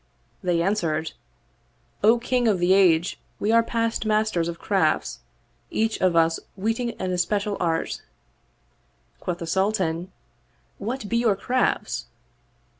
They answered, " O King of the Age, we are past masters of crafts, each of us weeting an especial art. Quoth the Sultan, " What be your crafts?